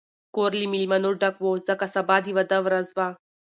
کور له مېلمنو ډک و، ځکه سبا د واده ورځ وه.